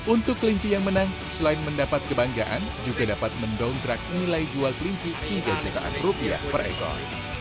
untuk kelinci yang menang selain mendapat kebanggaan juga dapat mendongkrak nilai jual kelinci hingga jutaan rupiah per ekor